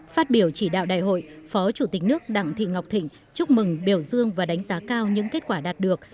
phát biểu chỉ đạo đại hội phó chủ tịch nước đặng thị ngọc thịnh chúc mừng biểu dương và đánh giá cao những kết quả đạt được